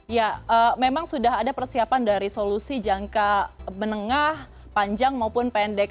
ya memang sudah ada persiapan dari solusi jangka menengah panjang maupun pendek